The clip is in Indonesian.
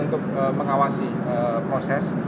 untuk mengawasi proses